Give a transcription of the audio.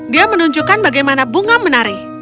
dia menunjukkan bagaimana bunga menari